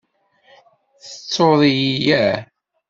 Tettuḍ-iyi ya?